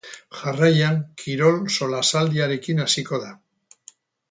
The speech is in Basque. Jarraian, kirol solasaldiarekin hasiko da.